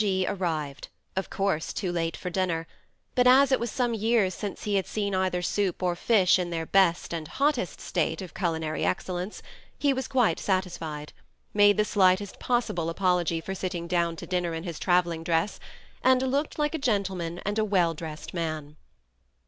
G. arrived, of course too late for dinner ; but as it was sonae years since he had seen either soup or fish in their best and hottest state of culinary excellence, he was quite satisfied, — made the slightest possible apol ogy for sitting down to dinner in his travelling dress, and looked like a gentleman and a well dressed man.